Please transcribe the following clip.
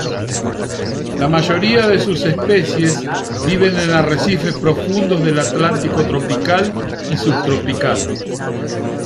La mayoría de sus especies viven en arrecifes profundos del Atlántico tropical y subtropical.